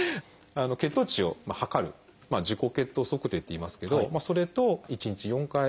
血糖値を測る自己血糖測定っていいますけどそれと１日４回